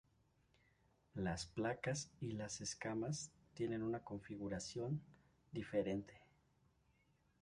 Las placas y las escamas tienen una configuración diferente.